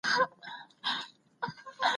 زه اجازه لرم چي مځکي ته وګورم.